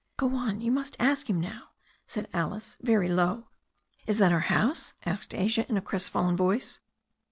"Go on, you must ask him now," said Alice very low. "Is that our house ?" asked Asia, in a crestfallen voice.